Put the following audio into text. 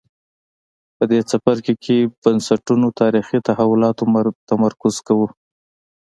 په دې څپرکي کې بنسټونو تاریخي تحولاتو تمرکز کوو.